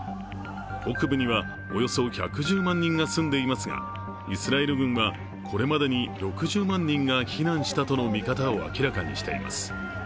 北部には、およそ１１０万人が住んでいますがイスラエル軍は、これまでに６０万人が避難したとの見方を明らかにしています。